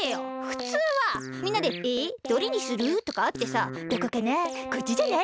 フツウはみんなで「えどれにする？」とかあってさ「どこかな？」